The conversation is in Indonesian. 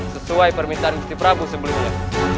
sesuai permintaan istri prabu sebelumnya